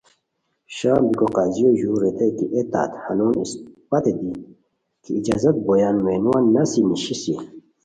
شام بیکو قاضیو ژور ریتائے کی اے تت ہنون اسپت دی کی اجازت بویان مینوان نسی نیشیسی